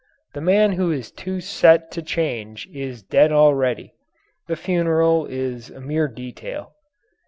The man who is too set to change is dead already. The funeral is a mere detail.